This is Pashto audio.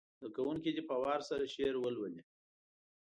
زده کوونکي دې په وار سره شعر ولولي.